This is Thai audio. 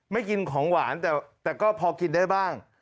ไม่กินของหวานแต่ก็พอกินได้บ้าง